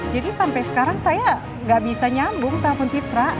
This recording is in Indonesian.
jadi sampai sekarang saya nggak bisa nyambung telepon citra